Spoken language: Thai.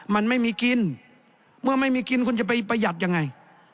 มันไม่มีกินเมื่อไม่มีกินคุณจะไปประหยัดยังไง